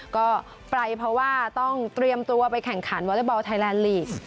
ก็ไปเพราะว่าต้องเตรียมตัวไปแข่งขันวอเล็กบอลไทยแลนด์ลีก